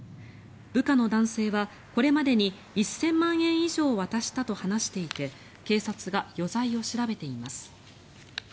部下の男性はこれまでに１０００万円以上を渡したと話していて警察が余罪を調べています。